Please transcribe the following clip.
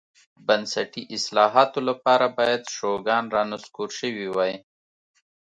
بنسټي اصلاحاتو لپاره باید شوګان رانسکور شوی وای.